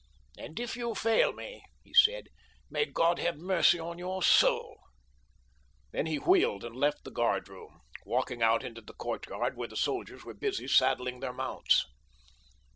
"And if you fail me," he said, "may God have mercy on your soul." Then he wheeled and left the guardroom, walking out into the courtyard where the soldiers were busy saddling their mounts.